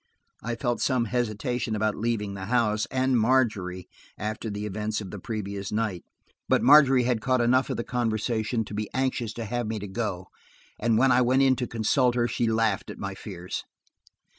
I felt some hesitation about leaving the house–and Margery–after the events of the previous night. But Margery had caught enough of the conversation to be anxious to have me to go, and when I went in to consult her she laughed at my fears.